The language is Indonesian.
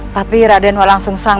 tapi raden walang sungsang